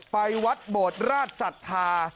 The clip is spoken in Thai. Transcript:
ไปวัดบทราชสัทธา